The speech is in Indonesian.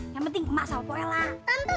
yang penting emak sama poe lah